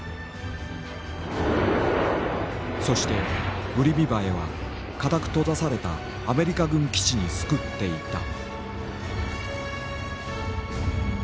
そしてウリミバエは固く閉ざされたアメリカ軍基地に巣くっていた。